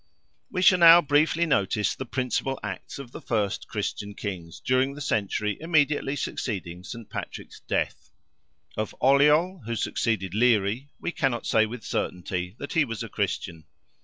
We shall now briefly notice the principal acts of the first Christian kings, during the century immediately succeeding St. Patrick's death. Of OLLIOL, who succeeded Leary, we cannot say with certainty that he was a Christian.